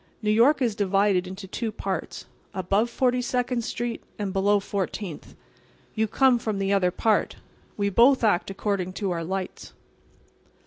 New York is divided into two parts—above Forty second street, and below Fourteenth. You come from the other part. We both act according to our lights."